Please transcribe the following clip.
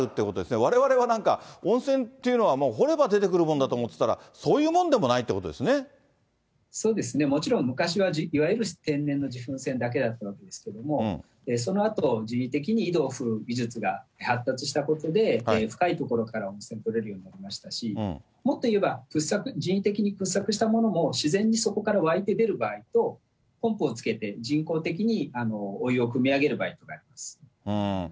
われわれはなんか、温泉っていうのは掘れば出てくるものだと思っていたら、そういうそうですね、もちろん昔はいわゆる天然の自噴泉だけだったわけですけれども、そのあと人為的に井戸を掘る技術が発達したことで、深い所から温泉とれるようになりましたし、もっと言えば、掘削、人為的に掘削したものも、自然にそこから湧いて出る場合と、ポンプをつけて人工的にお湯をくみ上げる場合とがあります。